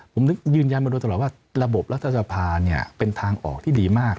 ผมนึกยืนยันมาโดยตลอดว่าระบบรัฐสภาเป็นทางออกที่ดีมาก